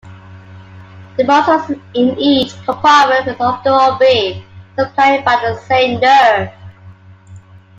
The muscles in each compartment will often all be supplied by the same nerve.